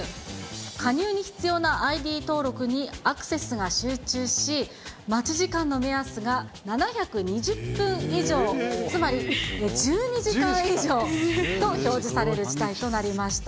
加入に必要なＩＤ登録にアクセスが集中し、待ち時間の目安が７２０分以上、つまり１２時間以上と表示される事態となりました。